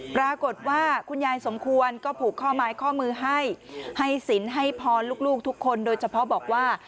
ปรากฏว่าคุณยายสมควรก็ผูกข้อไม้ข้อมือให้ให้สินให้พรลูกทุกคนโดยเฉพาะบอกว่า